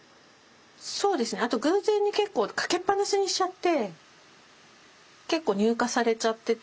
そうですねあと偶然に結構かけっぱなしにしちゃって結構乳化されちゃってて。